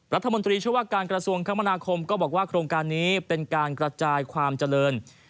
รัฐมนตรีช่วยว่าการกระทรวงคมนาคมก็บอกว่าโครงการนี้เป็นการกระจายความเจริญ